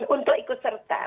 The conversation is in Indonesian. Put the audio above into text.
untuk ikut serta